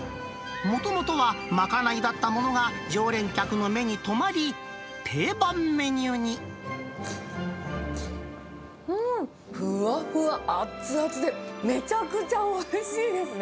もともとは賄いだったものが、常連客の目に留まり、定番メニュふわふわ熱々で、めちゃくちゃおいしいですね。